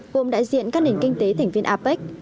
gồm đại diện các nền kinh tế thành viên apec